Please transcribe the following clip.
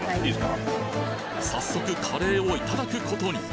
早速カレーをいただくことに。